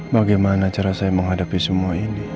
bagaimana cara saya menghadapi semua ini